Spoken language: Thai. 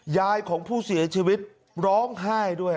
ยายของผู้เสียชีวิตร้องไห้ด้วย